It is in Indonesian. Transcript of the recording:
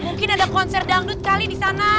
mungkin ada konser dangdut kali di sana